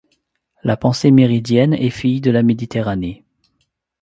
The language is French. La pensée méridienne est fille de la Méditerranée.